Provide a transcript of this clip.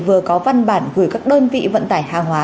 vừa có văn bản gửi các đơn vị vận tải hàng hóa